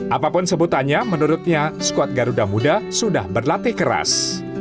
apapun sebutannya menurutnya skuad garuda muda sudah berlatih keras